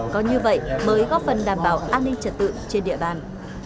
có như vậy mới góp phần đảm bảo an ninh trật tự trên địa bàn